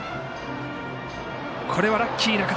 これはラッキーな形。